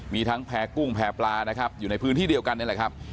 มีทั้งแพร่กุ้งแพร่ปลานะครับอยู่ในพื้นที่เดียวกันนี่แหละครับ